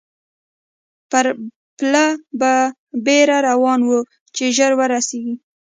پر پله په بېړه روان وو، چې ژر ورسېږو.